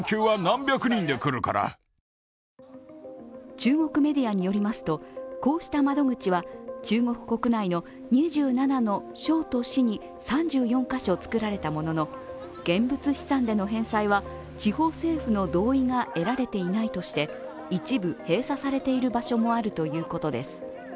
中国メディアによりますと、こうした窓口は中国国内の２７の省と市に３４カ所作られたものの現物資産での返済は地方政府の同意が得られていないとして一部閉鎖されている場所もあるということです。